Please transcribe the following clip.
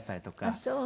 あっそう。